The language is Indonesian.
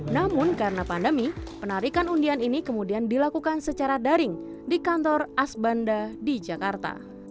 namun karena pandemi penarikan undian ini kemudian dilakukan secara daring di kantor asbanda di jakarta